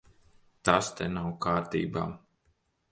Tas te nav kārtībā.